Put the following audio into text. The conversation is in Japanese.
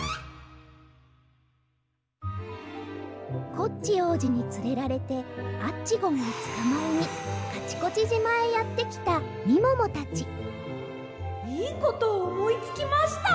コッチおうじにつれられて「アッチゴン」をつかまえにカチコチじまへやってきたみももたちいいことをおもいつきました！